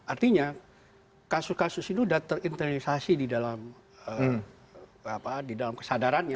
artinya kasus kasus itu sudah terinternalisasi di dalam kesadarannya